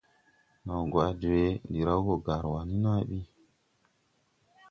Naw gwaʼ dwee, ndi raw go Garua ni na bi.